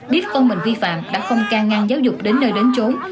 biết con mình vi phạm đã không ca ngang giáo dục đến nơi đến trốn